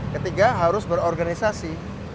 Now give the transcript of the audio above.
ketiga harus berorganisasi